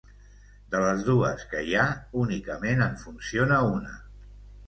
De les dues que hi ha únicament en funciona una.